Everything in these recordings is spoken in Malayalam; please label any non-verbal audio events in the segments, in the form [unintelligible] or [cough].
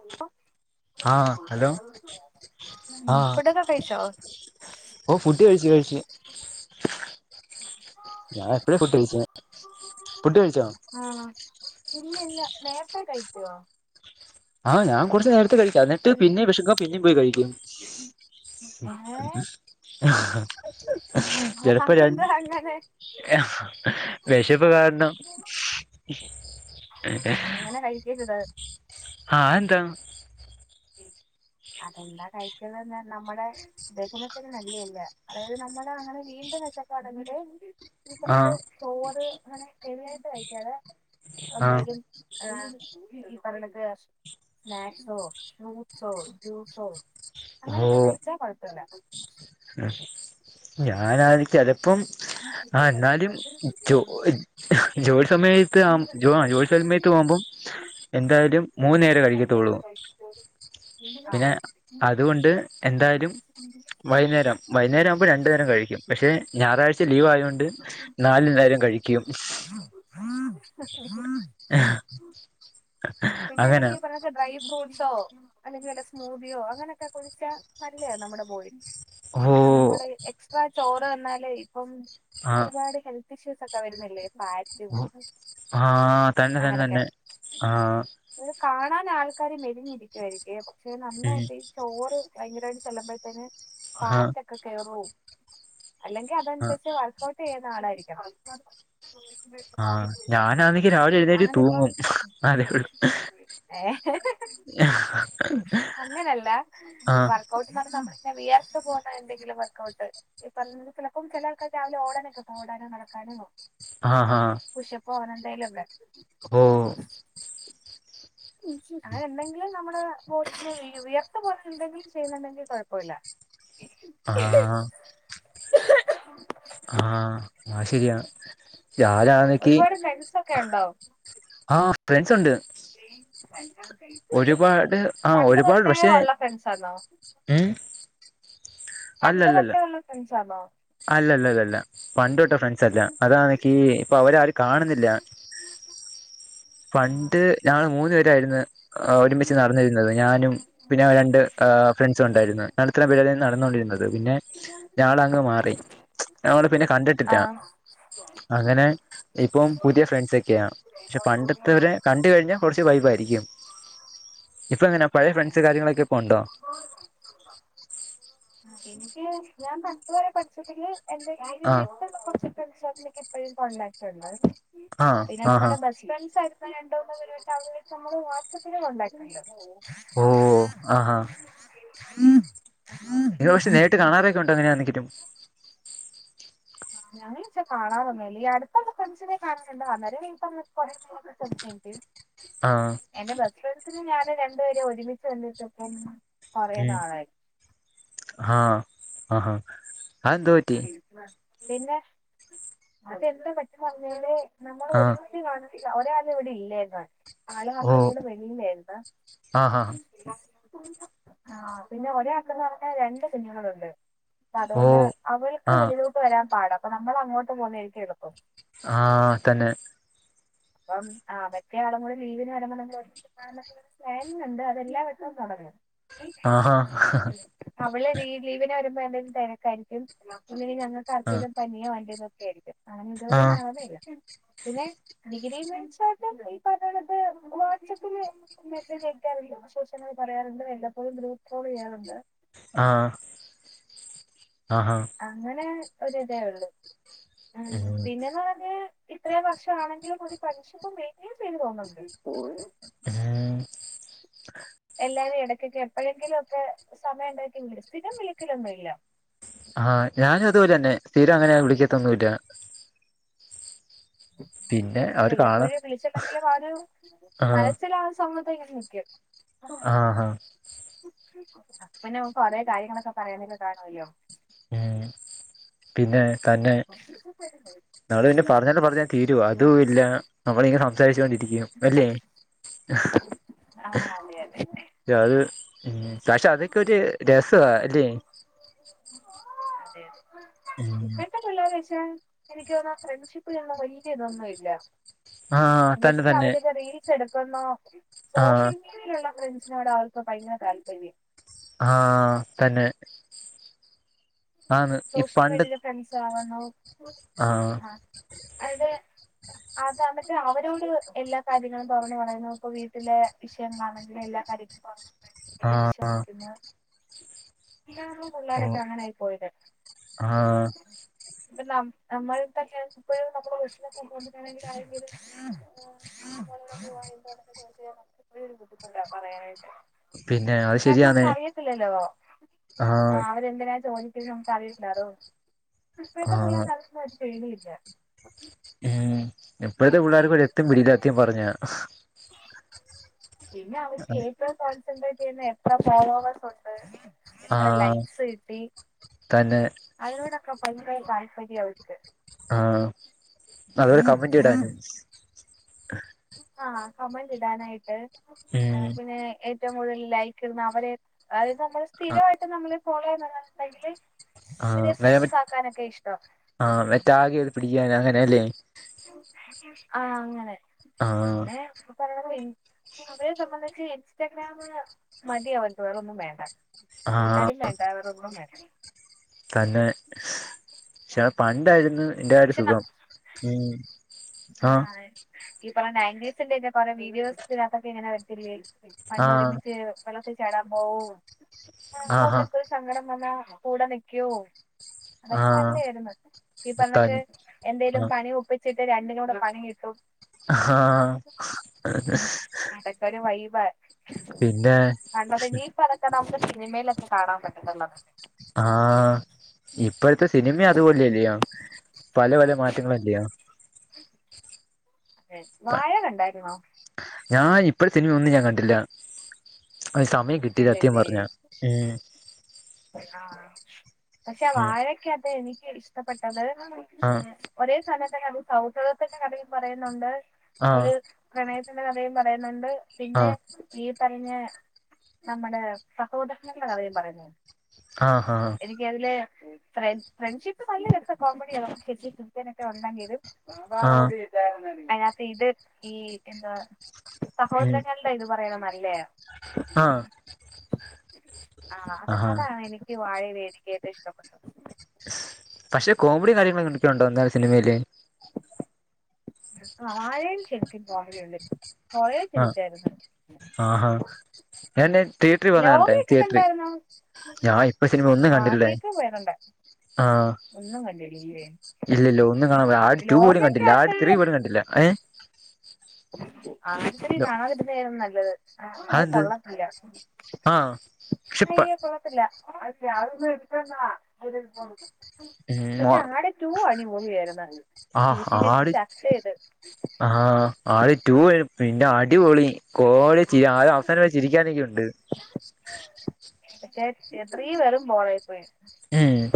ഉന്ത ആഹ് ഹലോ ഉം ആഹ് ഫുഡൊക്കെ കഴിച്ചോ ഓഹ് ഫുഡ് കഴിച്ചു കഴിച്ചു ഞാൻ എപ്പഴേ ഫുഡ് കഴിച്ച്, ഫുഡ് കഴിച്ചോ ആഹ് ഇല്ലില്ല നേരത്തെ കഴിക്കുവോ ആഹ് ഞാൻ കുറച്ച് നേരത്തെ കഴിക്കും എന്നിട്ട് പിന്നെയും വിശക്കുമ്പോൾ പിന്നെയും പോയി കഴിക്കും ഏഹ് ചെലപ്പോ ഞാൻ അതെന്താ അങ്ങനെ വെശപ്പ് കാരണം അങ്ങനെ കഴിക്കരുത് ആഹ് അതെന്താ അതെന്താ കഴിക്കരുതെന്നാ നമ്മുടെ ദഹനത്തിന് നല്ലേല്ല അതായത് നമ്മള് അങ്ങനെ വീണ്ടും വെശക്കാണെങ്കില് ഇപ്പ നമുക്ക് ആഹ് ചോറ് അങ്ങനെ ഹെവിയായിട്ട് കഴിക്കാതെ ആഹ് എന്തേലും ആ ഈ പറേണക്ക് സ്നാക്സോ ഫ്രൂട്ട്സോ, ജ്യൂസോ അങ്ങനെയൊക്കെ കഴിച്ചാ കൊഴപ്പല്ല ഉം ഞാനാണേൽ ചെലപ്പം ആഹ് എന്നാലും ജോലി ജോലി സമയത്ത് നിങ്ങളുടെ ആഹ് പലരും ജോലി നല്ല സമയത്ത് പ്രേമിക്കും പോകുമ്പം എന്തായാലും മൂന്ന് നേരേ പ്രേമിച്ച് കഴിക്കത്തോള്ളൂ കല്യാണം കഴിച്ചിട്ട് ആ. പിന്നെ അതുകൊണ്ട് എന്തായാലും ഒരുമിച്ച് ജീവിക്കാൻ വൈന്നേരം ശ്രമിച്ചത് വൈന്നേരാകുമ്പോ രണ്ട് നേരം കഴിക്കും പക്ഷേ ഞായറാഴ്ച്ച ലീവ് ആയതൊണ്ട് ണ്ട് നാല് നേരം കഴിക്കും ആഹ പിന്നെല്ലെങ്കി ഈ പറ ഡ്രൈ ഫ്രൂട്ട്സോ അല്ലെങ്കിൽ വല്ല സ്മൂതിയോ അങ്ങനെയൊക്കെ കുടിച്ചാ നല്ലയാ നമ്മുടെ ബോഡിക്ക് ഓ ആഹ് നമ്മള് എക്സ്ട്രാ ചോറ് തിന്നാല് ഇപ്പം ആ ഒരുപാട് ഹെൽ ഇഷ്യൂസൊക്കെ വരുന്നില്ലേ ഫാ ആഹ് തന്നെ തന്നെ തന്നെ ആഹ് അത് കാണാൻ ആൾക്കാര് മെലിഞ്ഞിരിക്കുവായിരിക്കുവേ പക്ഷെ ഉം നന്നായിട്ട് ചോറ് ഭയങ്കരമായിട്ട് ചെല്ലുമ്പോഴത്തേന് ആ ഫാറ്റൊക്കെ കേറും അല്ലെങ്കിൽ ആ അതനുസരിച്ച് വർക്കഔട്ട് ചെയ്യുന്ന ആളായിരിക്കാം ആഹ് ഞാനാന്നെങ്കി രാവിലെ എഴുത് തൂങ്ങും അതേ ഉള്ളൂ ഏഹ് [unintelligible] അങ്ങേനല്ല ആ വർക്കൊട്ട് പറഞ്ഞ നമ്മെ വിയാർത്ത് പോന്ന എന്തെങ്കിലും വർക്കഔട്ട് ഈ പറഞ്ഞത് ചിലപ്പോ ചില ആൾക്കാർ രാവിലെ ഓടാനൊക്കെ ഓടാനോ കടക്കാനോ ആഹ് ആഹ് പുഷപ്പ് അങ്ങന എന്തായാലും ഇല്ലേ ഓ അങ്ങനെ എന്തെങ്കിലും നമ്മള് പോ ഉയർത്ത പോലെ എന്തെങ്കിലും ചെയ്യുന്നുണ്ടെങ്കിൽ കുഴപ്പമില്ല ആഹ് [unintelligible] ആഹ് ആത്ശരിയ രാലാണക്ക് ഒരുപാട് ഫ്രണ്ട്സ് ഒക്കെ ഉണ്ടോ ആഹ് ഫ്രണ്ട്സ് ഉണ്ട് [unintelligible] സൈക്ക ഒരുപാട് ആഹ് ഒരുപാട് പക്ഷേ ഉള്ള ഫ്രണ്ട്സ് ആന്നോ ഉം പണ്ടതൊട്ടെ ഉള്ള ഫ്രഡ്‌സ് ണോ അല്ലല്ല അല്ലല്ല പണ്ട് തൊട്ട ഫ്രണ്ട്സ് അല്ല അതാണി ഇപ്പൊ അവരർ കാണുന്നില്ല പണ്ട് ഞാള് മൂന്ന് പേരായിരുന്നു ഒരുമിച്ച് നടന്നിരുന്നത് ഞാനും പിന്നെ രണ്ട് ഫ്രണ്ട്സും ഉണ്ടായിരുന്നു അത്ത പേര നടന്നോണ്ടിരുന്നത് പിന്നെ ഞൾ അങ്ങ് മാറി ഞള് പിന്നെ ആ കണ്ടിട്ടിട്ടാ അങ്ങനെ ഇപ്പം പുതിയ ഫ്രണ്ട്സ ഒക്കെയാണ് പക്ഷെ പണ്ട് കണ്ട് കഴിഞ്ഞാൽ കുറച്ച് വൈബായിരിക്കും ഇപ്പ എങ്ങനെ ആ പഴയ ഫ്രണ്ട്സ് കാര്യങ്ങളൊക്കെ ഇപ്പ ഉണ്ടോ [unintelligible] എനിക്ക് ഞാൻ പത്ത് വരെ പഠിച്ചിട്ടെില് [unintelligible] ആ എട്ട് കൊറച്ച കസക്ക് ഇപ്പഴും കോണ്ടാക്ട് ഉണ്ട് ആ പിന്നെ ആഹാ നമ്മുടെ ബസ്റ്റ് ഫ്രണ്ട്സ് ആയിരുന്നു രണ്ടോന്ന് പരുമായിട്ട് അവര നമ്മള് വാട്സആപ്പില് കൊണ്ടാക്ക ഓ ആഹ്ഹാ ഇത് ഉണ്ട് പക്ഷെ നേരിട്ട് കാണാറ ക്കൊ ഉണ്ടോങ്ങനാന്നങ്കലും ഞങ്ങെ കാണാർന്നല്ല ഈ അടുത്തടെ ഫ്രണ്ട്സിനെ കാണാനണ്ട അന്നര വീട്ടന്ന കൊറേ [unintelligible] [unintelligible] ആഹ് എന്റെ ബസ് ഫ്രണ്ട്സിന് ഞാന് രണ്ടുപേരെ ഒരുമിച്ച് വണ്ടിട്ടപ്പോ ഏഹ് ആഹ് ആഹ് ഹാ പിന്നെ അതെന്താ പറ്റെന്ന് പറഞ്ഞാല് നമ്മൾ ആ ഒരു കാണ ഒരാല ഇവിടെ ഇല്ലേന്ന് ആള ഓ ഹസ്ബന്റ്റുടെ വെളിയിലാരുന്നു ആഹാ ആഹ് പിന്നെ ഒരാക്കുന്ന പറഞ്ഞ രണ്ട് കുഞ്ഞുങ്ങളുണ്ട് അപ്പ ഓ അതുകൊണ്ട് അവൾക്ക് ആ വളിലോട്ട് വരാൻ പാട അപ്പ നമ്മൾ അങ്ങോട്ട് പോകുന്നാ യിരിക്കും എളുപ്പം ആഹ് തന്നെ അപ്പം ആഹ് മറ്റേള് കൂടി ലീവിന് വണോ പ്ലാനിങ്ങ് ഉണ്ട് അതെല്ലാവ വക്കും തുടങ്ങും ആഹ് ഹ [unintelligible] അവള് ലീവനെ വരുമ്പോ എന്തും തിരക്കായിരിക്കും ആ ഞങ്ങൾക്കാർക്കെങ്കലും പനിയോ വല്ലതൊക്കെ ആയിരിക്കും ആ അങ്ങനെഇതുവരെ നടന്നില്ല പിന്നെ [unintelligible] പറഞ്ഞത് വാട്സആപ്പിൽ മെസ്സേജ് കഴക്കാറില്ല സോഷനങ്ങൾ പറയാറുണ്ട് വല്ല പ്പോഴും ബൂട്രോൾ ചെയ്യാറുണ്ട് ആഹ് ആഹ്ഹാ അങ്ങനെ ഒരിതേ ഉള്ളു ഉം പിന്നെന്ന് പറഞ്ഞ ഇത്രയും വർഷം ആണെങ്കിലും കണക്ഷൻ മെയിന് ചെയ്തു പോകുന്നുണ്ട് [unintelligible] അഹ് എല്ലാരും ഇടയ്ക്കൊക്കെ എപ്പോഴെങ്കിലും ഒക്കെ സമയം ഉണ്ടാക്കെങ്കിലിൽ സ്ഥിരം വിളിക്കലൊന്നുല്ല ആഹ് ഞാനതുപോലെ തന്നെ സ്ഥിരവങ്ങനെ വിളിക്കത്തൊന്നുവില്ല പിന്നെ അവര് കാണും വെല്ലപ്പോഴുവെ വിളിച്ചെള്ളെങ്കിലും ആത് ആ മനസ്സിലാവുന്ന സമയത്തിങ്ങനെ നിക്കും ആഹാ പിന്നെ നമുക്ക് കൊറേ കാര്യങ്ങളൊക്കെ പറയാനൊക്കെ കാണുവല്ലോ ആഹ് പിന്നേ തന്നെ [unintelligible] പിന്നെ പറഞ്ഞാലും പറഞ്ഞാലും തീരോ അതു ഇല്ല. നമ്മളിങ്ങനെ സംസാരിച്ചോണ്ടിരിക്കും അല്ലേ ആ അതെ അതെ അതെ അത് ഇം പക്ഷെ അതൊക്കൊരു രസവാ അല്ലേ അതെ അതെ ഉം ഇപ്പഴത്തെ പിള്ളേര് പക്ഷെ എനിക്ക് തോന്ന് ഫ്രണ്ട്ഷിപ്പ്ലൊന്നും വല്ല്യ ഇതൊന്നുവില്ല ആ തന്നെ ജസ്റ്റ് തന്നെ അവരൊക്കെ റീൽസ് എടു ക്കുന്നു ആ സോഷ്യൽ മീഡിയയിലുള്ള ഫ്രണ്ട്സിനോടാ അവർക്ക് ഭയങ്കര താല്പര്യം ആഹ് തന്നെ ആന്ന് ഈ സോഷ്യൽ മീഡിയയിലെ ഫ്രണ്ട്സ് ആവുന്നു. ആഹ് അതേ അതാണെങ്കി അവരോട് എല്ലാ കാര്യങ്ങളും തുറന്നു പറയുന്നു ഇപ്പ വീട്ടിലേ വിഷയങ്ങളാണെങ്കിലും എല്ലാ കാര്യ ആ [unintelligible] വിശ്വസിക്കുന്നു ഇപ്പോള്ള പിള്ളേരൊക്കെ അങ്ങനെയായി പോയത് ആഹ് ഇപ്പ നം നമ്മളടടുത്തൊക്കെ [unintelligible] [unintelligible] പറയാനായിട്ട് പിന്നെ അത് കാരണം നമക്ക് ശരിയാണേ അറിയത്തില്ലല്ലോ ആ ആഹ് അവരെന്തിനാ ചോദി [unintelligible] ആഹ് പേടിയില്ല [unintelligible] ഉം ഇപ്പഴത്തെ പിള്ളേർക്കൊരു എത്തും പിടിയില്ലാ സത്യം പറഞ്ഞാ പിന്നെ അവർക്ക് ഏറ്റവും കോൺസെൻട്രേറ്റ് ചെയ്യുന്നെ എത്ര ഫോളോവേഴ്സൊണ്ട് എത്ര ആഹ് ലൈക്സ് കിട്ടി തന്നെ അതിനോടൊക്കെ ഭയങ്കര താൽപര്യാ അവൾക്ക് ആഹ് നല്ലൊരു കമന്റ് ഇടാനും ആഹ് കമന്റിടാനായിട്ട് എഹ് ഉം പിന്നേ ഏറ്റവും കൂടുതൽ ലൈക്ക് ഇടുന്ന അവരേ അത് നമ്മള് സ്ഥിരായിട്ട് നമ്മള് ഫോളോ ചെയ്യുന്നവരൊണ്ടെങ്കില് ആഹ് [unintelligible] ആഹ് ടാഗ് ചെയ്ത് പിടിക്കാൻ അങ്ങനെ എല്ലേ ആഹ് അങ്ങനെ ആഹ് പിന്നേ [unintelligible] അവരെ സംബന്ധിച്ച് ഇൻസ്റ്റാഗ്രാമ് മതിയവൻക്ക് വേറൊന്നും വേണ്ട. ആഹ് കൂട്ടാരും വേണ്ട വേറൊന്നും വേണ്ട. തന്നേ പക്ഷെ പണ്ടായിരുന്നു അന്റെ ആ ഒരു സുഖം ഉം. ആഹ് ഈ പറയണ നയന്റീസി‌ന്റെക്കെ കൊറേ വീഡിയോസിനാത്തൊക്കെ ഇങ്ങനെ വരത്തില്ലേ പണ്ട് ആഹ് ഒരുമിച്ച് വെള്ളത്തിൽ ചാടാൻ പോവും ആഹാ [unintelligible] സങ്കടം വന്നാ കൂടെ നിക്കൂ. അതൊക്കെ ആഹ് നല്ലേയിരുന്ന് ഈ തൻ പറഞ്ഞക്ക് എന്തേലും ആഹ് പണി ഒപ്പി ച്ചാ രണ്ടിനൂടെ പണി കിട്ടും. ആഹ് അതെ. അതൊക്കെ ഒരു വൈബ് പിന്നേ കണ്ടത് ഇനീപ്പതൊക്കെ നമുക്ക് സിനിമയിലൊക്കേ കാണാൻ പറ്റത്തൊള്ളന്ന് ആഹ് ഇപ്പഴ്ത്തെ സിനിമേം അതുപോലെല്ലിയോ? പല പല മാറ്റങ്ങളല്ലിയോ? അതെ വാഴ കണ്ടായിരുന്നോ ഞാൻ ഇപ്പഴത്തെ സിനിമയൊന്നും ഞാൻ കണ്ടില്ല സമയം കിട്ടിയില്ല സത്യം ഇല്ലല്ലേ പറഞ്ഞ. ഉം ആഹ് പക്ഷെ വാഴക്കാത്ത് എനിക്ക് ഇഷ്ടപ്പെട്ടത് ഉം ആഹ് ഒരേ സമയത്തന്നെ ഒരു സൗഹൃദത്തിന്റെ കഥയും പറയുന്നുണ്ട് ആഹ് ഒരു പ്രണയത്തിന്റെ കഥയും പറയുന്നുണ്ട് പിന്നെ ആഹ് ഈ പറഞ്ഞ നമ്മുടെ സഹോദരന്റെ കഥയും പറയന്നു. ആഹ് ആഹ്. എനിക്ക് അതില് ഫ്രണ്ട് ഫ്രണ്ട്ഷിപ്പ് നല്ല രസ കോമഡിയ [unintelligible] സുത്തേനൊക്കെ വന്നങ്കില് ആഹ് അയ്നകത്ത് ഇത് ഈ എന്താ ഉം സഹോദരങ്ങള [unintelligible] ആഹ് ആഹ് ആഹാ അതാണ് എനിക്ക് വാഴയിൽ എനിക്ക് ഏറ്റവും ഇഷ്ടപ്പെട്ടത്. പഷെ കോമഡിയും കാര്യങ്ങളും എങ്ങനൊക്കെയുണ്ടോ എന്താലും സിനിമയില്. ആ വാഴയും ശരിക്കും കോഴ കൊറേ ചിരിച്ചായിരുന്നു. ആഹ് ഹാ ഞാൻ തിയറ്ററി പോന്നാ കണ്ടേ ലോകയൊക്കെ തിയേറ്ററി കണ്ടായിരുന്നോ ഞാൻ ഇപ്പ സിനിമ ഒന്നും ആ കണ്ടില്ല തിയേറ്ററിൽ പോയതുണ്ട് ആഹ്. ഒന്നും കണ്ടിട്ടില്ലേ? ഇല്ല ഇല്ല ഒന്നും കാണാൻ പോയില്ല ആട് ടു പോലും കണ്ടില്ല ആട് അകത്ത് ത്രീ പോലും കണ്ടില്ല ഏഹ്. ആട് ത്രീ കാണാതിരുന്നതായിരുന്നു നല്ലത് അത് അതെന്ത് കൊള്ളത്തില്ല. ആഹ് ക്ഷിപ്പ അയ്യേ കൊള്ളത്തില്ല [unintelligible] ഉം പക്ഷെ ആട് ടൂ അടിപൊളിയായിരുന്ന് ആഹ് ചിരിച്ച് ചിരിച്ച ആട് ചത്ത് ചെയ്ത്. ആഹ് ആട് ടു അയ് പിന്നെ അടിപൊളി കോമടി ചരി ആ അവസാനം വരെ ചിരിക്കാന്നൊക്കെയുണ്ട്. പക്ഷെ ത്രീ വെറും ബോറായി പോയി. ഏഹ്.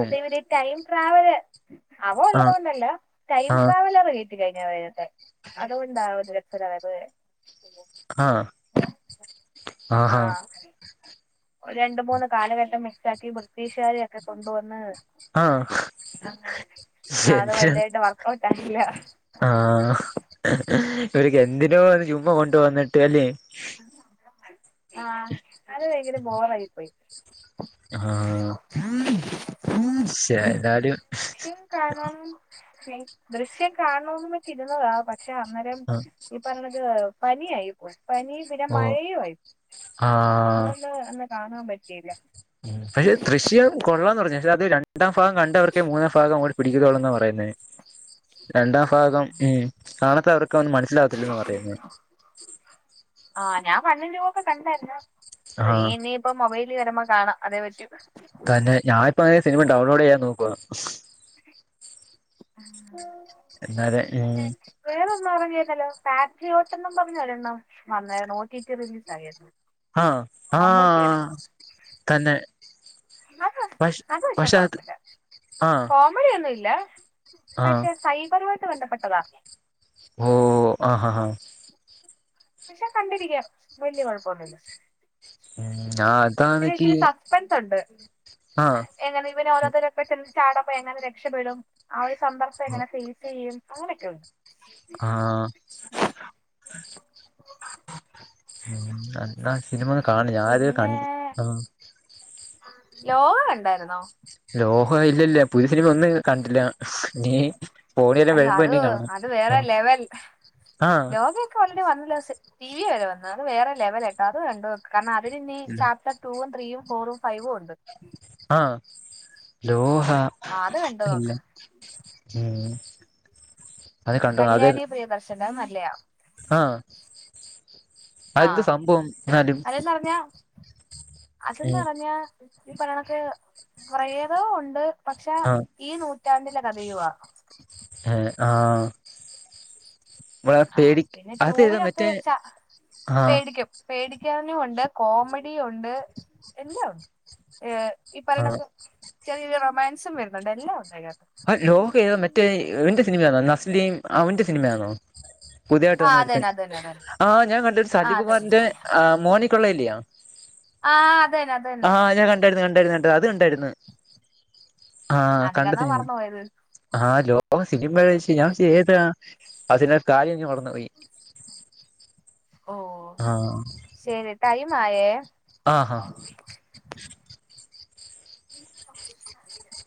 അത് ഇവര് ടൈം ട്രാവൽ. അവ ഉള്ളത് ആഹ് ഒന്നുല്ല ടൈം ആഹ് ട്രാവലർ കഴിഞ്ഞ വെ അതുകൊണ്ടാ [unintelligible] [inaudible] ആഹ്. ആഹാ ആഹ്. രണ്ട് മൂന്ന് കാലഘട്ടം മിക്സാക്കി ബ്രിട്ടീഷുകാരെയൊക്കെ കൊണ്ടുന്ന്. ആഹ് അങ്ങനെ ആ അത് എന്തിനാ വലിയായിട്ട് വർകൗട്ട് ആയില്ല. ആഹ് ഇവർക്ക് എന്തിനോന്ന് ചുമ്മ കൊണ്ട് വന്ന്ട്ട് അല്ലേ? ആഹ് അത് ഭയങ്കര ബോറയി പോയി. ആഹ് ശേ [unintelligible] [inaudible] എന്നാലും കാണം ദൃശ്യം കാണണോന്ന്വെച്ച് ഇരുന്നതാ പക്ഷെ അന്നേരം പർണത് പന്നിയായിപ്പോയി പനിപിന്നെ ഓ മഴയുആയി ആഹ് മൂന്ന് ന്ന് കാണൻ പറ്റീല്ല. പക്ഷെ തൃശ്യാം കൊള്ളാന്ന് പറഞ്ഞ പക്ഷേ അത് രണ്ട് രണ്ടാംഫാഗം കണ്ടവർക്കേ മൂന്നാംഫാഗം അങ്ങോട്ട് പിടിക്കൊള്ളൂന്നാപറയുന്നേ രണ്ടാംഫാഗം ഉം കാണാത്തവർക്ക് അവന് മനസ്സിലാവത്തില്ലന്ന പറയുന്നേ ആഹ് ഞാൻ വണ്ണും ടുവുംകണ്ടായ്രുന്നു ആഹ് ഇനിയിപ്പ മൊബൈലിൽവെരുമ്പോ കാണാംഅതേപറ്റു. തന്നെ ഞാനിപ്പോങ്ങനെ സിനിമ ഡൗൺലോഡ്ചെയ്യാൻ നോക്കുവാ. എന്നതേ ഉം മറ്റേ വേറൊന്നും അറിഞ്ഞരുന്നല്ലോ പാട്രിയോട്ടെന്നും പറഞ് ഒരെണ്ണം നന്നായി നോക്കീറ്റ് റിലീസാകേട്ടോ അഹ്, ആഹ് തന്നെ അത് പഷ് അത്ക്ഷെ പക്ഷെ അത് കുഴപ്പല്ല ആഹ് കോം മെഡിഒന്നുല്ല ആഹ് പക്ഷെസൈബറുമായിട്ട് ബെന്ധപ്പെട്ടതാ. ഓഹ് ആഹ്, ആഹ് പക്ഷെ കണ്ടിരിക്കാം വെല്ല്യ കുഴപ്പൊന്നുല്ല. ഉം ഞാസ് പിന്നെഇച്ചിരി സസ്പെൻസൊണ്ട് ആഹ് എങ്ങനെ ഇവനെ ഓരോത്തെര് പെട്ടെന്ന് ചാടുമ്പോഎങ്ങനെ രക്ഷപ്പെടും ആഒര്സന്ദർഭം എങ്ങനെ ഫേസെയ്യും അങ്ങനൊക്കെയുണ്ട്. ആഹ് ഉം എന്നാസിനിമ കാണ് ഞാൻ ഇതുവരെ കണ് ആ ലോഹ കണ്ടായ്ര്ന്നോ? ലോഹം ഇല്ലില്ല പുതിസിനിമ ഒന്ന് കണ്ടില്ല നീ പോണില് വെരുമ്പോ ഇനി കാണാ വേറെലെവെൽ ആഹ് ക്കോൾറെഡി വന്നല്ലോ സ് ടി വി വെരെ വന്നു വേറെ ലെവലട്ടോ അത്കണ്ടോക്ക് കാരണം അതിന് ഇ ആഹ് ചാത്തൻ ടൂവും, ത്രീയും, ഫോറും, ഫൈവുണ്ട്. ആഹ് ലോഹ ആ അത് കണ്ടു നോക്ക് പിന്നേ ഉം അത് അ കണ്ടോ അത് കല്യാണിപ്രിയദർശൻ അത് നല്ലേയാ. ആഹ് അയെന്ത് സംഭവം ഇന്നാലും അതെന്നറഞ്ഞാ അത് ഉം ന്ന്പറഞ്ഞ ഈപറയണക്ക്‌ പ്രേതവും ഉണ്ട് പക്ഷെ ആഹ് ഈ നൂറ്റാണ്ടിലെകഥയുവാ എഹ് ആഹ് നമ്മളെ ആഹ് പേടി പിന്നെ അതേതാ ടുവിനത്ത് മറ്റേ ച ആഹ് പേടിക്കും. പേടിക്കാനുംഒണ്ട് കോമഡിയുംഒണ്ട് എല്ലം ഒണ്ട് ഏഹ് ഈ ആഹ് പറയ്ണൊക്ക് ചെറിയൊരു റൊമാൻസുംവെരുന്നുണ്ട് എല്ലാം ഉണ്ടഅയ്നകത്. ആ ലോഹ ഏതാ മറ്റേഇവന്റെ സിനിമയാന്നോ നസ്ലിം അവന്റെ സിനിമയാന്നോ? പുതിയായിട്ട് ആ വന്ന് ഒരുത്തൻ അതന്നെ അതന്നെ അതന്നെ ആഹ് ഞാൻ കണ്ട് ആ സലികുമാറിന്റെ അതന്നെ ആഹ് മോനിക്കുള്ളല്ലിയോ? ആഹ് അതെന്നെ അതെന്നെ. കണ്ടാരുന്നു, കണ്ടാരുന്നു, കണ്ടാരുന്നു അത്കണ്ടാരുന്നു ആഹ് കണ്ടസിനിമ പയ്ത് ആഹ് ലോകസിനിമച്ച ഞാൻച്ചു ഏതാ അതിനൊരുകാര്യം ഞാൻ മറന്നുപോയി. ഓഹ് ആഹ് ശെരി ടൈമായേ. ആഹാ [inaudible]